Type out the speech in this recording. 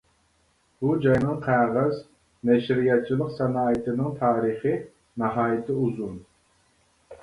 بۇ جاينىڭ قەغەز، نەشرىياتچىلىق سانائىتىنىڭ تارىخى ناھايىتى ئۇزۇن.